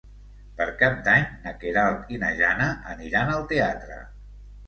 Per Cap d'Any na Queralt i na Jana aniran al teatre.